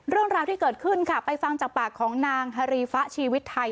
เรื่องราวที่เกิดขึ้นค่ะไปฟังจากปากของนางฮารีฟะชีวิตไทย